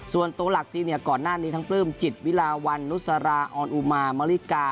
ส่วนตัวหลักซีเนียก่อนหน้านี้ทั้งปลื้มจิตวิลาวันนุสราออนอุมามริกา